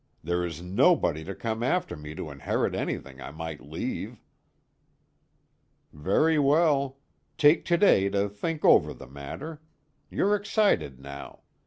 There is nobody to come after me to inherit anything I might leave." "Very well. Take to day to think over the matter. You're excited now.